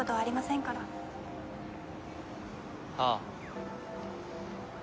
ああ。